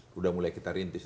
sudah mulai kita rintis